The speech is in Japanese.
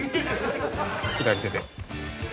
左手で。